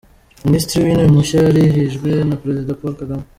Minisitiri w’Intebe mushya yarahijwe na Perezida Paul Kagame.